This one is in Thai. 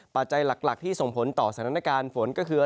ปัจจัยหลักที่ส่งผลต่อสถานการณ์ฝนก็คือ